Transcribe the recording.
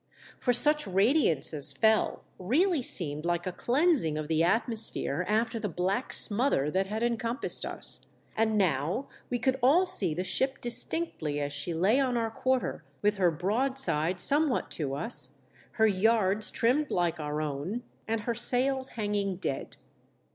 For such radiance as fell really seemed like a cleansing of the atmosphere after the black smother that had encompassed us, and now we could all see the ship distinctly as she lay on our quarter with her broadside somewhat to us, her yards trimmed like our own, and her sails hanging dead.